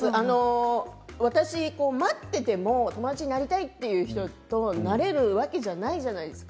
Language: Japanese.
私、待っていても友達になりたいという人となれるわけじゃないじゃないですか。